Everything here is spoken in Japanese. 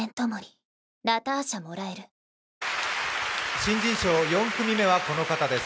新人賞、４組目はこの方です。